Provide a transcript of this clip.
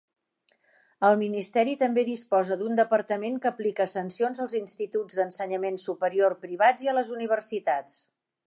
El Ministeri també disposa d'un departament que aplica sancions als instituts d'ensenyament superior privats i a les universitats.